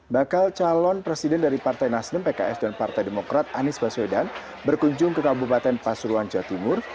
bakal calon presiden dari partai nasdem pks dan partai demokrat anies baswedan berkunjung ke kabupaten pasuruan jawa timur